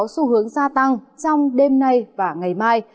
xu hướng gia tăng trong đêm nay và ngày mai